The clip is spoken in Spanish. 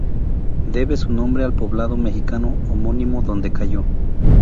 Debe su nombre al poblado mexicano homónimo donde cayó.